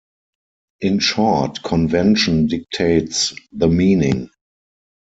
In short, convention dictates the meaning.